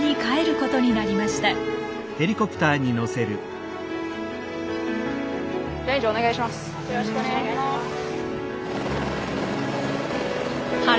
よろしくお願いします。